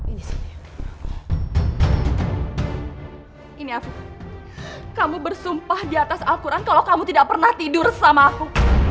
ini afif kamu bersumpah di atas alquran kalau kamu tidak pernah tidur sama aku